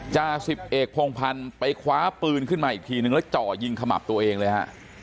จาสิบเอกพงพันธ์ไปคว้าปืนขึ้นมาอีกทีนึงแล้วจ่อยิงขมับตัวเองเลยฮะ